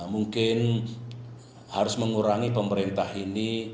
mungkin harus mengurangi pemerintah ini